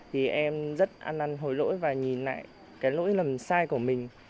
thì em rất ăn năn hồi lỗi và nhìn lại cái lỗi lầm sai của mình